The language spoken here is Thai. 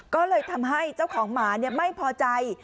ก็เลยทำให้เจ้าของหมาไม่พอใจ